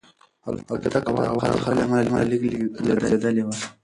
الوتکه د هوا د خرابوالي له امله لږه لړزېدلې وه.